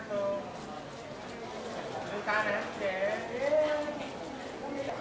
ได้๓จุดเลย